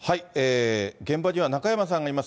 現場には中山さんがいます。